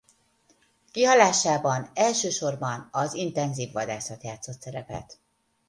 Kihalásában elsősorban az intenzív vadászat játszott szerepet.